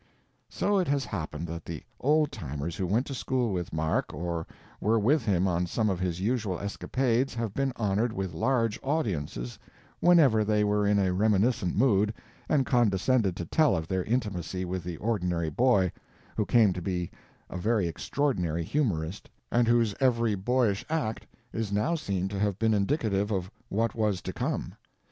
So it has happened that the "old timers" who went to school with Mark or were with him on some of his usual escapades have been honored with large audiences whenever they were in a reminiscent mood and condescended to tell of their intimacy with the ordinary boy who came to be a very extraordinary humorist and whose every boyish act is now seen to have been indicative of what was to come.